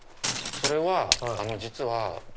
それは実は。